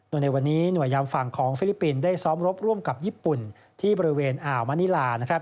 โดยในวันนี้หน่วยยามฝั่งของฟิลิปปินส์ได้ซ้อมรบร่วมกับญี่ปุ่นที่บริเวณอ่าวมะนิลา